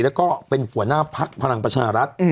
และก็เป็นผู้หน้าภักดิ์ภลังประชาภารัฐ